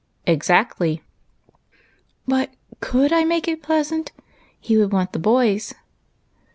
" Exactly." " But could I make it pleasant ? He would want the boys."